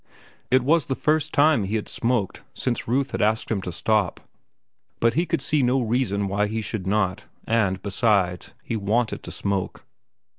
It was the first time he had smoked since Ruth had asked him to stop. But he could see now no reason why he should not, and besides, he wanted to smoke.